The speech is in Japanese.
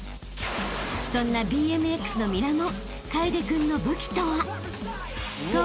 ［そんなＢＭＸのミラモン］